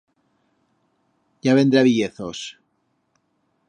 Ya vendré a viyer-zos.